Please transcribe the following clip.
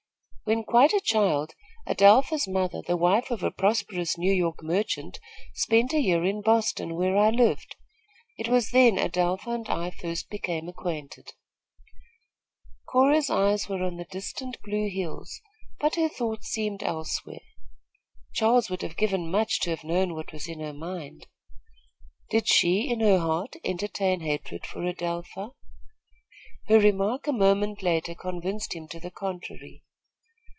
When quite a child, Adelpha's mother, the wife of a prosperous New York merchant, spent a year in Boston where I lived. It was then Adelpha and I first became acquainted." Cora's eyes were on the distant blue hills; but her thoughts seemed elsewhere. Charles would have given much to have known what was in her mind. Did she, in her heart, entertain hatred for Adelpha? Her remark a moment later convinced him to the contrary.